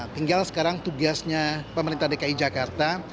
tinggal sekarang tugasnya pemerintah dki jakarta